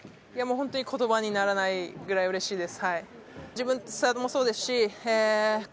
本当に言葉にならないぐらいうれしいです。